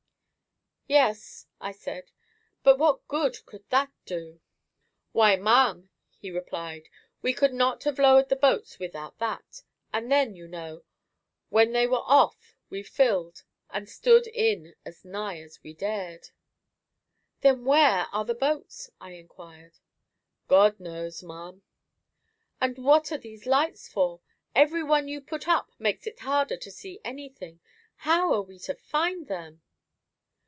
"Yes," I said; "but what good could that do?" "Why, ma'am," he replied, "we could not have lowered the boats without that; and then, you know, when they were off we filled, and stood in as nigh as we dared." "Then where are the boats?" I inquired. "God knows, ma'am." "And what are these lights for? Every one you put up makes it harder to see anything. How are we to find them?"